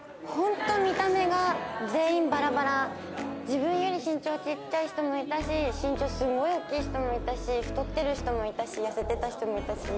自分より身長ちっちゃい人もいたし身長すごい大きい人もいたし太ってる人もいたし痩せてた人もいたし。